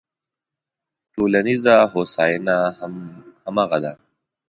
ټولنیزه هوساینه همغه ده.